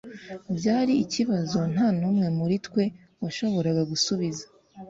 Byari ikibazo ntanumwe muri twe washoboraga gusubiza.